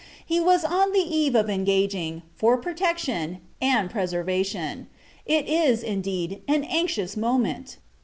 He was on the eve of engaging, for protection and preservation It is, indeed, an anxious moment!